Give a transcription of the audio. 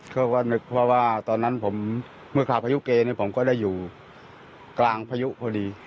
เขาก็นึกเพราะว่าตอนนั้นผมเมื่อคราวพายุเกผมก็ได้อยู่กลางพายุพอดี